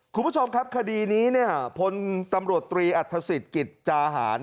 คุณผู้ชมครับคดีนี้พลตำรวจตรีอัตภสิตกิจจาหาร